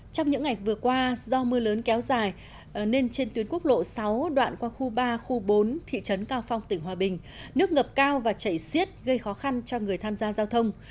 trong những ngày vừa qua do mưa lớn kéo dài nên trên tuyến quốc lộ sáu đoạn qua khu ba khu bốn thị trấn cao phong tỉnh hòa bình nước ngập cao và chảy xiết gây khó khăn cho người tham gia giao thông